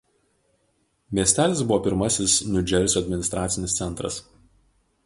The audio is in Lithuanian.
Miestelis buvo pirmasis Niu Džersio administracinis centras.